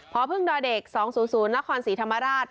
พพด๒๐๐นศรีธรรมราช